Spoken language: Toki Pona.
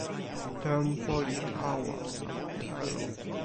tenpo li tawa sama telo.